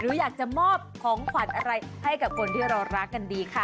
หรืออยากจะมอบของขวัญอะไรให้กับคนที่เรารักกันดีค่ะ